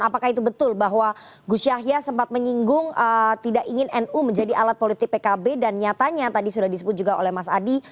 apakah itu betul bahwa gus yahya sempat menyinggung tidak ingin nu menjadi alat politik pkb dan nyatanya tadi sudah disebut juga oleh mas adi